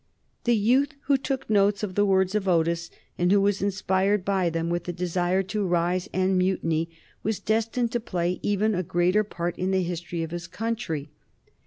The youth who took notes of the words of Otis, and who was inspired by them with the desire to rise and mutiny, was destined to play even a greater part in the history of his country.